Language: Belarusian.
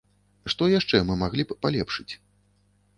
Што яшчэ мы маглі б палепшыць?